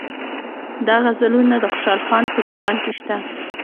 دا غزلونه د خوشحال خان په دېوان کې شته.